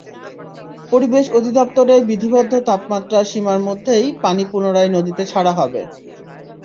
পরিবেশ অধিদপ্তরের বিধিবদ্ধ তাপমাত্রা সীমার মধ্যেই পানি পুনরায় নদীতে ছাড়া হবে।